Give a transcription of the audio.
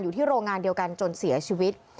อยู่ที่โรงงานเดียวกันจนเสียชีวิต